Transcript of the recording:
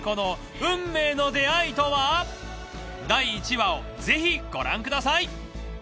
第１話をぜひご覧ください。